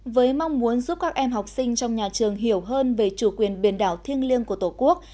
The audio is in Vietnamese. với mong muốn giúp các em học sinh trong nhà trường hiểu hơn về chủ quyền biển đảo thiêng liêng của tổ quốc